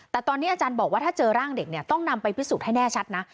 แต่ตอนนี้อาจารย์บอกว่าถ้าเจอร่างเด็กเนี่ยต้องนำไปพิสูจน์ให้แน่ชัดนะ